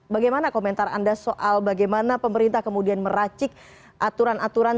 bagaimana komentar anda soal bagaimana pemerintah kemudian meracik aturan aturan